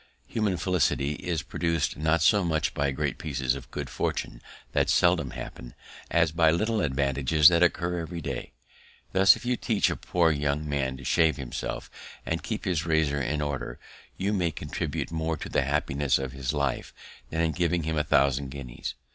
Human felicity is produced not so much by great pieces of good fortune that seldom happen, as by little advantages that occur every day. Thus, if you teach a poor young man to shave himself, and keep his razor in order, you may contribute more to the happiness of his life than in giving him a thousand guineas.